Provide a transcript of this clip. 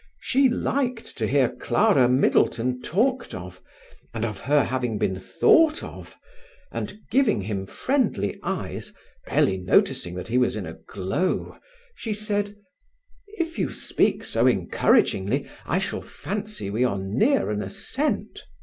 She liked to hear Clara Middleton talked of, and of her having been thought of, and giving him friendly eyes, barely noticing that he was in a glow, she said: "If you speak so encouragingly I shall fancy we are near an ascent."